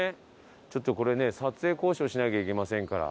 ちょっとこれね撮影交渉しなきゃいけませんから。